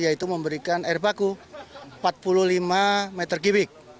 yaitu memberikan air baku empat puluh lima meter kubik